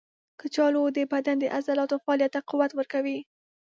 کچالو د بدن د عضلاتو فعالیت ته قوت ورکوي.